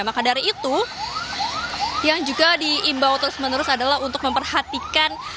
maka dari itu yang juga diimbau terus menerus adalah untuk memperhatikan